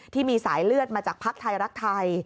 ที่มีสายเลือดมาจากภักดิ์ไทยรักไทย